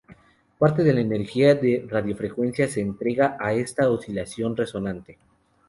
Parte de la energía de radiofrecuencia se entrega a esta oscilación resonante.